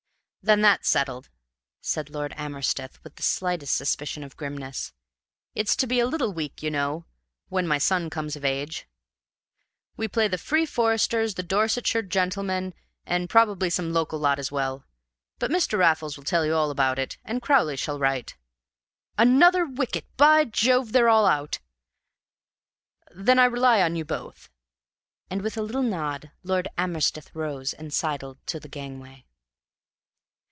"Then that's settled," said Lord Amersteth, with the slightest suspicion of grimness. "It's to be a little week, you know, when my son comes of age. We play the Free Foresters, the Dorsetshire Gentlemen, and probably some local lot as well. But Mr. Raffles will tell you all about it, and Crowley shall write. Another wicket! By Jove, they're all out! Then I rely on you both." And, with a little nod, Lord Amersteth rose and sidled to the gangway.